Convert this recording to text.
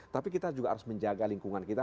tapi kita juga harus menjaga lingkungan kita